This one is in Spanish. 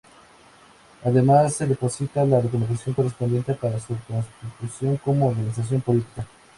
Además se deposita la documentación correspondiente para su constitución como organización política.